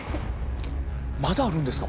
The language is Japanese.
まだあるんですか？